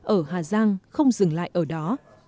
ở hà giang không dừng lại ở đó